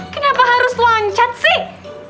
kenapa harus lancat sih